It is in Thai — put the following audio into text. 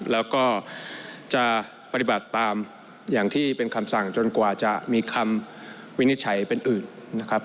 แล้วก็จะปฏิบัติตามอย่างที่เป็นคำสั่งจนกว่าจะมีคำวินิจฉัยเป็นอื่นนะครับ